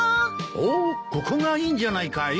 おおここがいいんじゃないかい？